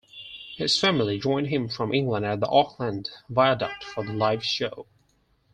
His family joined him from England at the Auckland Viaduct for the live show.